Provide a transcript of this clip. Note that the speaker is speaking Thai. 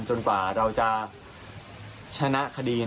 กว่าเราจะชนะคดี